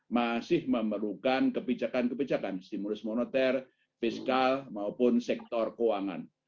masih memerlukan kebijakan kebijakan stimulus moneter fiskal maupun sektor keuangan